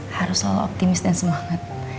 harus selalu optimis dan semangat